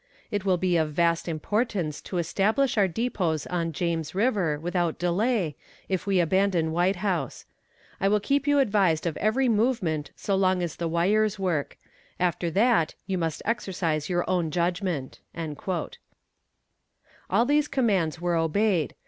It will be of vast importance to establish our depots on James River, without delay, if we abandon White House. I will keep you advised of every movement so long as the wires work; after that you must exercise your own judgment." All these commands were obeyed.